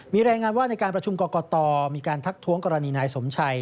มีรายงานว่าในการประชุมกรกตมีการทักท้วงกรณีนายสมชัย